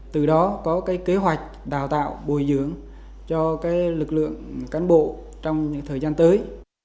từ đó có cái kế hoạch đào tạo bồi dưỡng cho cái lực lượng cán bộ trong những thời gian tới